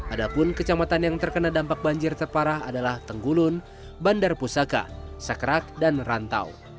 adapun kecamatan yang terkena dampak banjir terparah adalah tenggulun bandar pusaka sakerak dan rantau